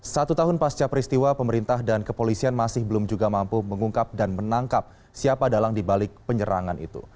satu tahun pasca peristiwa pemerintah dan kepolisian masih belum juga mampu mengungkap dan menangkap siapa dalang dibalik penyerangan itu